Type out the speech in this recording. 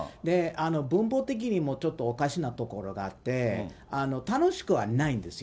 文法的にもちょっとおかしなところがあって、楽しくはないんですよ。